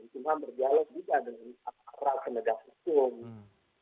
cuma berdialog juga dengan aparat penegak hukum